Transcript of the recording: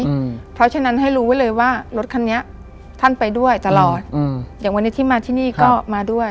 อืมเพราะฉะนั้นให้รู้ไว้เลยว่ารถคันนี้ท่านไปด้วยตลอดอืมอย่างวันนี้ที่มาที่นี่ก็มาด้วย